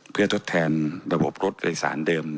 เพื่อทดแทนระบบรถโดยสารเดิม